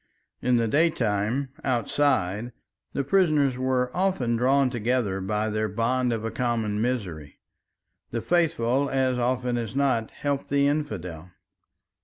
In the daytime, outside, the prisoners were often drawn together by their bond of a common misery; the faithful as often as not helped the infidel.